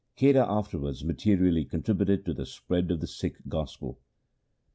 Kheda afterwards materially contributed to the spread of the Sikh gospel.